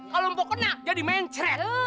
kalau mau kena jadi mencret